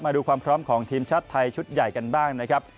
มาดูความพร้อมของทีมชาติไทยชุดใหญ่กันบ้างนะครับ